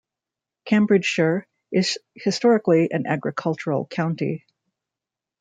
Cambridgeshire is historically an agricultural county.